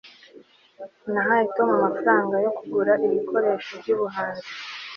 nahaye tom amafaranga yo kugura ibikoresho byubuhanzi